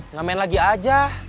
nggak main lagi aja